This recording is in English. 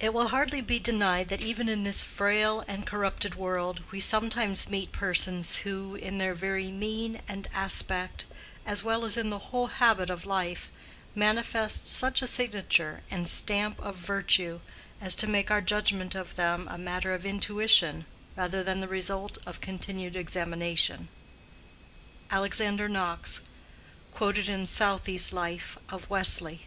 "It will hardly be denied that even in this frail and corrupted world, we sometimes meet persons who, in their very mien and aspect, as well as in the whole habit of life, manifest such a signature and stamp of virtue, as to make our judgment of them a matter of intuition rather than the result of continued examination."—ALEXANDER KNOX: quoted in Southey's Life of Wesley.